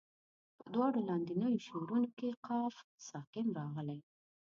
په دواړو لاندنیو شعرونو کې قاف ساکن راغلی.